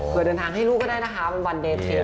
เพื่อเดินทางให้ลูกก็ได้นะคะเป็นวันเดเชฟ